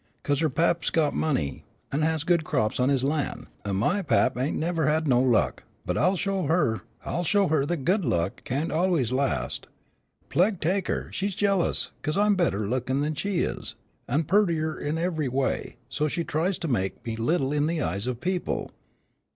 'Cause her pap's got money, an' has good crops on his lan', an' my pap ain't never had no luck, but I'll show 'er, I'll show 'er that good luck can't allus last. Pleg take 'er, she's jealous, 'cause I'm better lookin' than she is, an' pearter in every way, so she tries to make me little in the eyes of people.